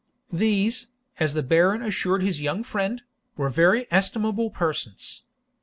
These, as the Baron assured his young friend, were very estimable persons.